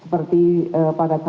seperti pada tahun ini